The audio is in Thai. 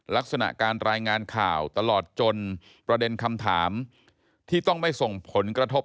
ลักษณะการรายงานข่าวตลอดจนประเด็นคำถามที่ต้องไม่ส่งผลกระทบ